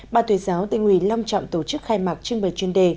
bà tuyết giáo tỉnh ủy long trọng tổ chức khai mạc trưng bày chuyên đề